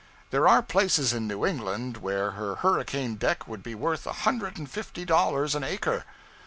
There are places in New England where her hurricane deck would be worth a hundred and fifty dollars an acre.